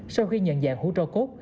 sau khi nhận dạng hũ cho cốt